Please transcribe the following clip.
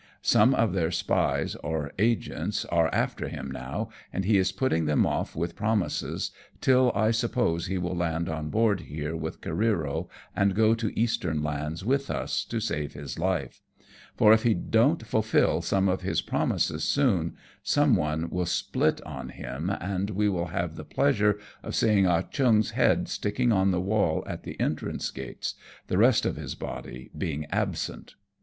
Some of their spies or agents are after him now, and he is putting them off with promises till I suppose he will land on board here with Careero and go to Eastern lands with us, to save his life ; for, if he don't fulfil some of his pro mises soon, some one will split on him, and we will have the pleasure of seeing Ah Cheong's head sticking on the wall at the entrance gates, the rest of his body being absent."